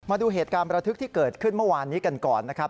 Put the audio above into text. มาดูเหตุการณ์ประทึกที่เกิดขึ้นเมื่อวานนี้กันก่อนนะครับ